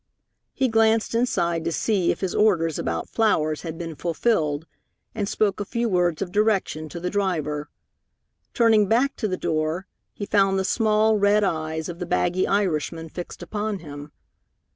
He glanced inside to see if his orders about flowers had been fulfilled, and spoke a few words of direction to the driver. Turning back to the door, he found the small, red eyes of the baggy Irishman fixed upon him.